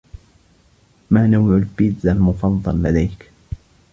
ما نوع البيتزا المفضّل لديك؟